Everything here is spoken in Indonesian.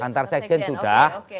antar sekjen sudah